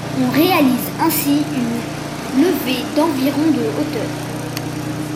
On réalise ainsi une levée d'environ de hauteur.